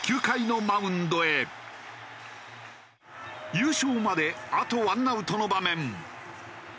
優勝まであとワンアウトの場面。